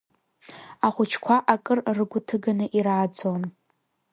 Ахәыҷқәа акыр ргәы ҭыганы ирааӡон.